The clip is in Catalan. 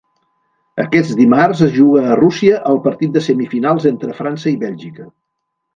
Aquest dimarts es juga a Rússia el partit de semifinals entre França i Bèlgica.